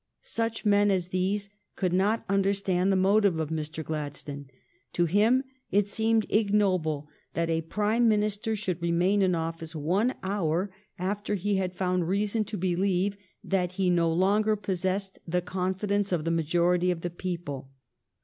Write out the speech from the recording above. Such men as these could not understand the motive of Mr. Gladstone. To him it seemed ignoble that a Prime Minister should remain in office one hour after he had found reason to believe that he no longer possessed the confi dence of the majority of the people.